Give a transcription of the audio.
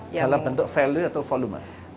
dalam bentuk value atau volume